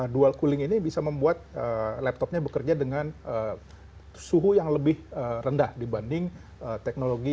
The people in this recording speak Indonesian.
dual cooling ini bisa membuat laptopnya bekerja dengan suhu yang lebih rendah dibanding teknologi